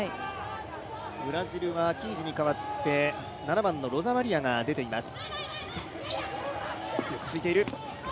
ブラジルはキージに代わって７番のロザマリアが出ています。